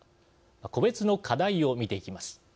個別の課題を見ていきます。